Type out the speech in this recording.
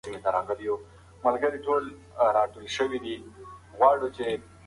د دې لپاره چې حقیقت څرګند شي، ګمراهی به رامنځته نه شي.